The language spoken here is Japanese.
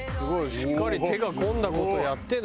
しっかり手が込んだ事やってるんだ。